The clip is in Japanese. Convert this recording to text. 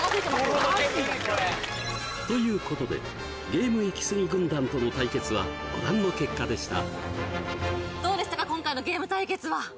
ボロ負けということでゲームイキスギ軍団との対決はご覧の結果でした